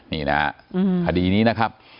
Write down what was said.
นี่นะฮะคดีนี้นะครับ